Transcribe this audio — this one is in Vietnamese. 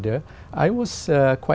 tôi rất vui